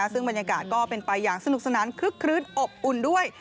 ซึ่งบรรยากาศก็เป็นไปอย่างสนุกสนานคึกคลื้นอบอุ่นด้วย